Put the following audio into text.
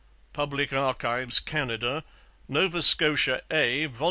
Public Archives, Canada. Nova Scotia A, vol.